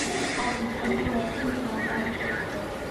კარგი, კიდევ ერთი გავაკეთოთ.